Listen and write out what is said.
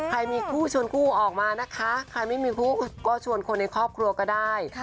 ใครมีคู่ชวนคู่ออกมานะคะใครไม่มีคู่ก็ชวนคนในครอบครัวก็ได้